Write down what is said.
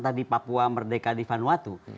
tadi papua merdeka divanuatu